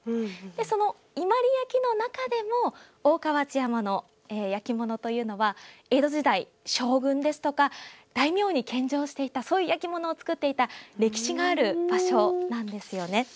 その伊万里焼の中でも大川内山の焼き物というのは江戸時代、将軍ですとか大名に献上していたそういう焼き物を作っていた歴史がある場所なんですよね。